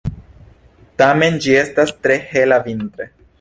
Tamen ĝi estas tre hela vintre.